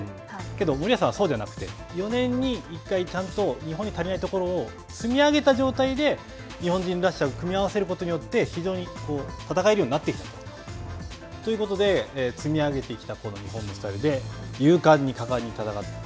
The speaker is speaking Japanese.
けど、森保さんはそうじゃなくて４年に１回ちゃんと日本に足りないところを組み上げた状態で日本人らしさを組み合わせることによって非常に戦えるようになっていくということで、積み上げてきた日本のスタイルで勇敢に果敢に戦う。